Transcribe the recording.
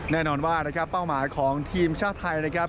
แน่นอนว่านะครับเป้าหมายของทีมชาติไทยนะครับ